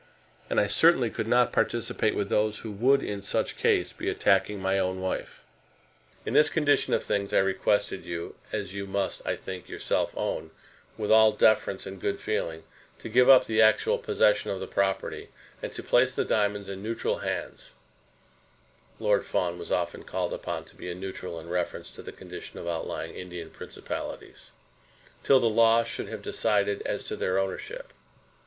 And I certainly could not participate with those who would in such case be attacking my own wife. In this condition of things I requested you, as you must, I think, yourself own, with all deference and good feeling, to give up the actual possession of the property, and to place the diamonds in neutral hands, [Lord Fawn was often called upon to be neutral in reference to the condition of outlying Indian principalities] till the law should have decided as to their ownership.